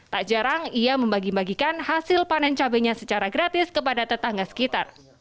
tak jarang ia membagi bagikan hasil panen cabainya secara gratis kepada tetangga sekitar